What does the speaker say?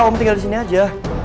om tinggal disini aja